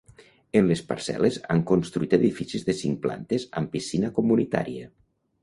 En les parcel·les han construït edificis de cinc plantes amb piscina comunitària.